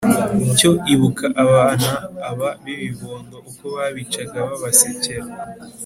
cyo ibuka abana aba b’ibibondo uko babicaga babasekera